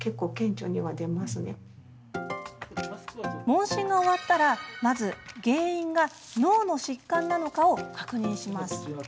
問診が終わったら、まず原因が脳の疾患なのかを確認します。